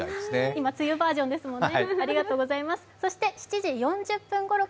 今、梅雨バージョンですもんね。